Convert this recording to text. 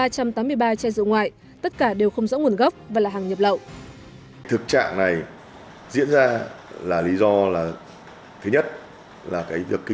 ba trăm tám mươi ba chai rượu ngoại tất cả đều không rõ nguồn gốc và là hàng nhập lậu